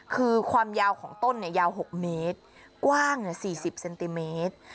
คือความยาวของต้นยาว๖เมตรกว้าง๔๐เซนติเมตร